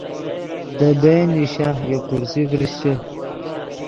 دے بنچ نیشا یو کرسی ڤریشچے